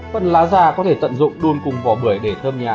phần lá già có thể tận dụng đun cùng vỏ bưởi để thơm nhà